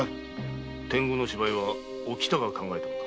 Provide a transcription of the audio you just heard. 天狗の芝居はおきたが考えたのか？